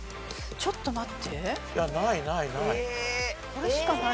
ちょっと待って。